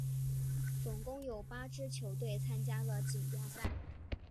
总共有八支球队参加了锦标赛。